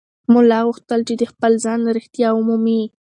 ملا غوښتل چې د خپل ځان رښتیا ومومي.